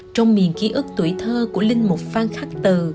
trong miền ký ức tuổi thơ của linh một phan khách từ